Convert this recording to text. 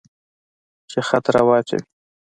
چې خط را واچوي.